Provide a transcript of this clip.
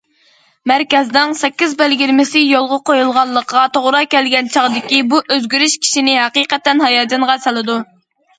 مەركەزنىڭ سەككىز بەلگىلىمىسى يولغا قويۇلغانلىقىغا توغرا كەلگەن چاغاندىكى بۇ ئۆزگىرىش كىشىنى ھەقىقەتەن ھاياجانغا سالىدۇ.